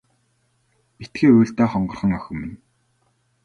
Битгий уйл даа хонгорхон охин минь.